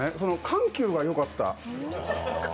緩急がよかった。